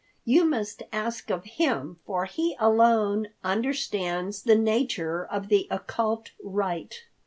You must ask of him, for he alone understands the nature of the occult rite."